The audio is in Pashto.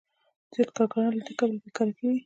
زیات کارګران له دې کبله بېکاره کېږي